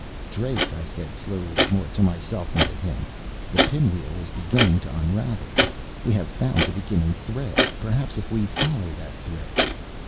"Drake," I said slowly, more to myself than to him, "the pinwheel is beginning to unravel. We have found the beginning thread. Perhaps, if we follow that thread...."